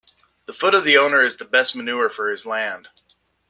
The foot of the owner is the best manure for his land.